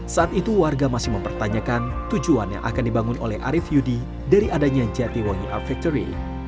saat itu warga masih mempertanyakan tujuan yang akan dibangun oleh arief yudi dari adanya jatiwangi art factory